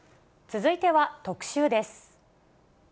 続いては特集です。